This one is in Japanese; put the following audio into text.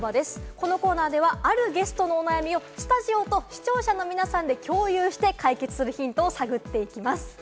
このコーナーでは、あるゲストのお悩みをスタジオと視聴者の皆さまで共有して解決するヒントを探っていきます。